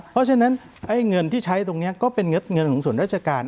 เพราะฉะนั้นเงินที่ใช้ตรงนี้ก็เป็นเงินของส่วนราชการ